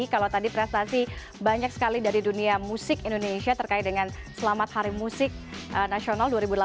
kalau tadi prestasi banyak sekali dari dunia musik indonesia terkait dengan selamat hari musik nasional dua ribu delapan belas